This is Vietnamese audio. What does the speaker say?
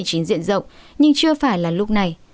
covid một mươi chín diện rộng nhưng chưa phải là lúc này